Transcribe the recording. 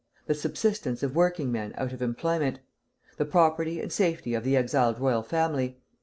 The subsistence of working men out of employment. The property and safety of the exiled royal family.